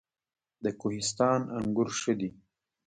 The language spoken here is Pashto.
د کوهستان انګور ښه دي